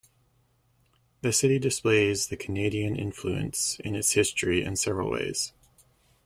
The city displays the Canadian influence in its history in several ways.